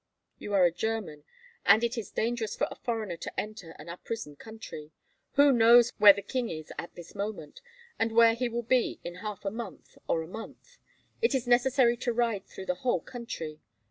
You are a German, and it is dangerous for a foreigner to enter an uprisen country. Who knows where the king is at this moment, and where he will be in half a month or a month? It is necessary to ride through the whole country.